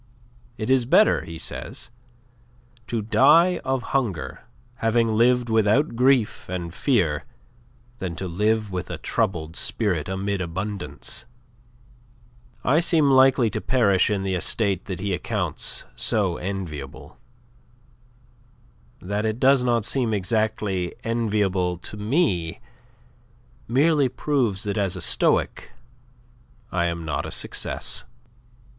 'It is better,' he says, 'to die of hunger having lived without grief and fear, than to live with a troubled spirit amid abundance.' I seem likely to perish in the estate that he accounts so enviable. That it does not seem exactly enviable to me merely proves that as a Stoic I am not a success."